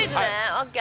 ＯＫ！